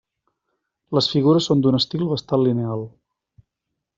Les figures són d'un estil bastant lineal.